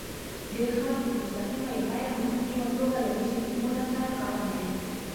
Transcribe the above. ډېر خلک په مستقیمه یا غیر مستقیمه توګه له دې سیسټمونو سره کار لري.